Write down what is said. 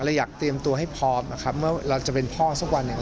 อยากเตรียมตัวให้พร้อมนะครับเมื่อเราจะเป็นพ่อสักวันหนึ่ง